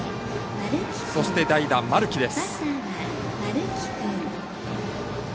そして代打、丸木です。